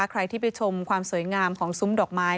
ใครที่ไปชมความสวยงามของซุ้มดอกไม้